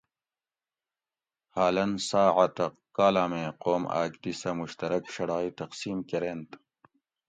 حالاً ساعتہ کالامیں قوم آکدِسہ مشترک شڑائ تقسیم کۤرینت